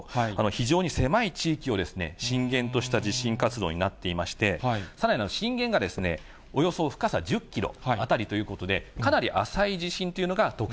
非常に狭い地域を震源とした地震活動になっていまして、さらに震源がおよそ深さ１０キロ辺りということで、かなり浅い地